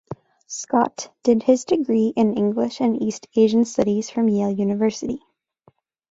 Scott did his degree in English and East Asian Studies from Yale University.